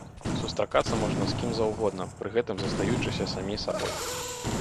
Сустракацца можна з кім заўгодна, пры гэтым застаючыся самі сабой.